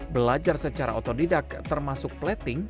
belajar secara otodidak termasuk plating